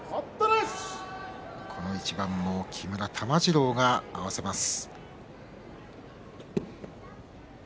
この一番も木村玉治郎が合わせます。